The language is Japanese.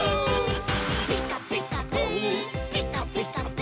「ピカピカブ！ピカピカブ！」